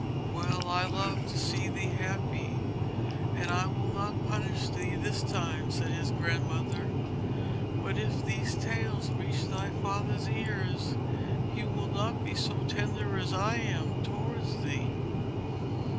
'Well, I love to see thee happy, and I will not punish thee this time,' said his grandmother; 'but if these tales reach thy father's ears, he will not be so tender as I am towards thee.'